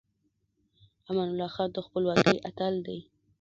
امان الله خان د خپلواکۍ اتل دی.